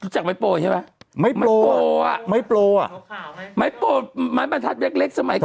จากไม้โปรใช่ไหมไม้โปรอ่ะไม้โปรอ่ะไม้โปรอ่ะไม้โปรอ่ะไม้โปรอ่ะไม้โปรอ่ะไม้โปรอ่ะ